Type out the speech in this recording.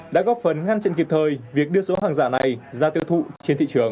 đã góp phần ngăn chặn kịp thời việc đưa số hàng giả này ra tiêu thụ trên thị trường